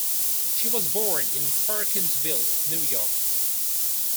She was born in Perkinsville, New York.